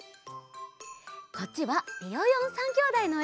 こっちはビヨヨン３きょうだいのえ。